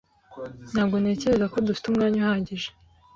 Ntabwo ntekereza ko dufite umwanya uhagije.